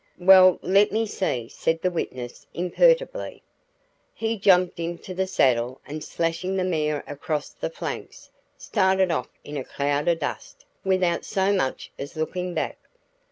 "Well, let me see," said the witness, imperturbably. "He jumped into the saddle and slashing the mare across the flanks, started off in a cloud o' dust, without so much as looking back.